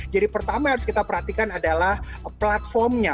jadi pertama yang harus kita perhatikan adalah platformnya